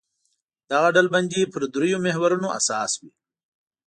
دغه ډلبندي پر درېیو محورونو اساس وي.